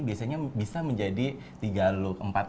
biasanya bisa menjadi tiga look empat